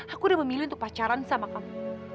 aku udah memilih untuk pacaran sama kamu